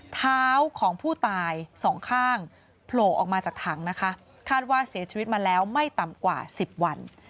เท้าของผู้ตายสองข้างโผล่ออกมาจากถังนะคะคาดว่าเสียชีวิตมาแล้วไม่ต่ำกว่า๑๐วัน